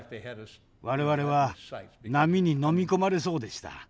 我々は波に飲み込まれそうでした。